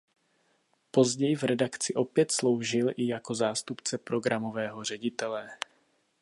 Později v redakci opět sloužil i jako zástupce programového ředitele.